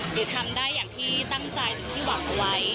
หรือทำได้อย่างที่ตั้งใจหรือที่หวังเอาไว้